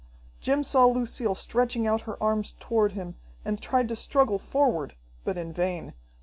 Jim saw Lucille stretching out her arms toward him, and tried to struggle forward, but in vain.